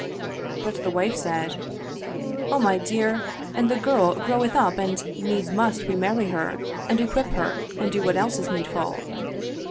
But the wife said, " O my dear, and the girl groweth up and needs must we marry her and equip her and do what else is needful."